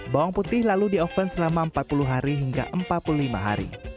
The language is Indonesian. bawang putih lalu di oven selama empat puluh hari hingga empat puluh lima hari